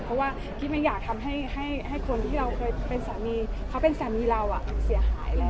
เพราะว่ากิ๊บไม่อยากทำให้คนที่เราเคยเป็นสามีเขาเป็นสามีเราเสียหายแล้ว